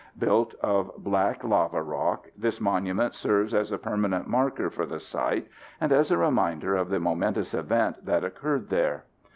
Built of black lava rock, this monument serves as a permanent marker for the site and as a reminder of the momentous event that occurred there.